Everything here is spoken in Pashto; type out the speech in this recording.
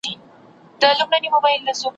انارګل ته سجدې وړمه، کندهار ته غزل لیکم ,